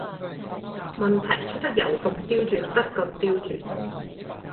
問題出得有咁刁鑽得咁刁鑽